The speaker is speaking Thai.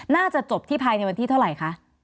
น่าจะจบที่ภายในวันที่เท่าไหร่คะ